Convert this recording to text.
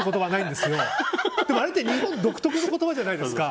でもあれって日本独特の言葉じゃないですか！